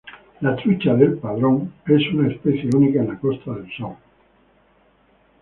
La trucha del Padrón es una especie única en la Costa del Sol.